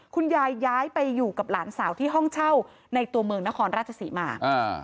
คุณยายย้ายไปอยู่กับหลานสาวที่ห้องเช่าในตัวเมืองนครราชศรีมา